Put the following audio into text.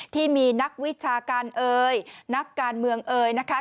ที่มีนักวิชาการเอ่ยนักการเมืองเอ๋ยนะคะ